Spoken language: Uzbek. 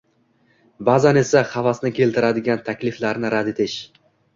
baʼzan esa havasni keltiradigan takliflarni rad etish